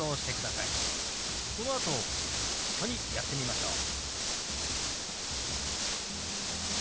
そのあと一緒にやってみましょう。